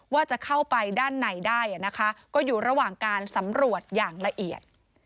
ว่าจะเข้าไปด้านในได้นะคะก็อยู่ระหว่างการสำรวจอย่างละเอียด